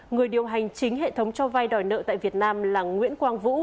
người điều hành chính hệ thống cho vay đòi nợ tại việt nam là nguyễn quang vũ